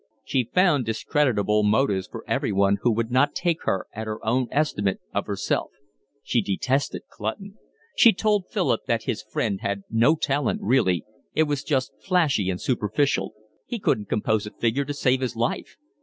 She found discreditable motives for everyone who would not take her at her own estimate of herself. She detested Clutton. She told Philip that his friend had no talent really; it was just flashy and superficial; he couldn't compose a figure to save his life.